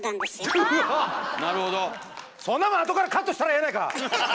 そんなもんあとからカットしたらええやないか！